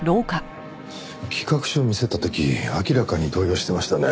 企画書を見せた時明らかに動揺してましたね。